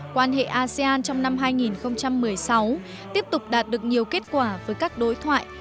quan hệ asean trong năm hai nghìn một mươi sáu tiếp tục đạt được nhiều kết quả với các đối thoại